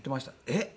「えっ！